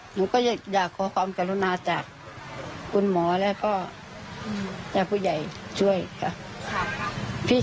หนูก็อยากขอความกรุณาจากคุณหมอแล้วก็ญาติผู้ใหญ่ช่วยค่ะ